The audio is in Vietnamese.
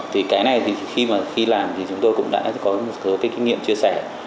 thì cái này khi làm chúng tôi cũng đã có một số kinh nghiệm chia sẻ